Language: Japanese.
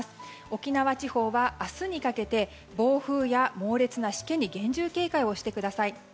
沖縄地方は明日にかけて暴風や猛烈なしけに厳重警戒をしてください。